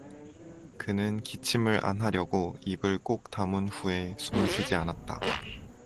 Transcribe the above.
그는 기침을 안 하려고 입을 꼭 다문 후에 숨을 쉬지 않았다.